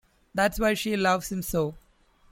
That's why she loves him so.